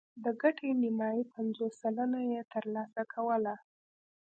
د ګټې نیمايي پنځوس سلنه یې ترلاسه کوله